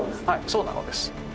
そうなのです。